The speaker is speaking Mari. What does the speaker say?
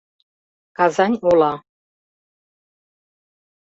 Казань ола.